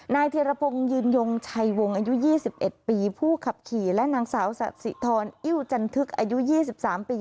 นายเธียระพงยืนยงชัยวงอายุยี่สิบเอ็ดปีผู้ขับขี่และหนังสาวสะสิธรอิ่วจันทรึกอายุยี่สิบสามปี